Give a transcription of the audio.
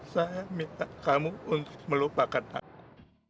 saya minta kamu untuk melupakan aku